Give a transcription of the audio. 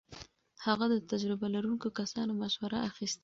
هغه د تجربه لرونکو کسانو مشوره اخيسته.